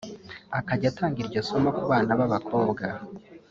akajya atanga iryo somo ku bana b’abakobwa